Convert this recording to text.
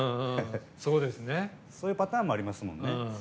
そういうパターンもありますね。